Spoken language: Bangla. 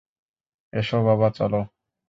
এসো, বাবা, চলো।